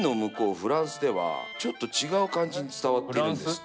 フランスではちょっと違う感じに伝わっているんですって。